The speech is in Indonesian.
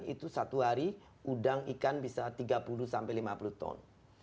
itu satu hari udang ikan bisa tiga puluh sampai lima puluh ton